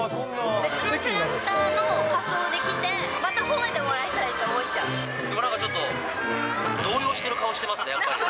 別のキャラクターの仮装で来て、また褒めてもらいたいって思でもなんかちょっと、動揺してる顔してますね、やっぱり。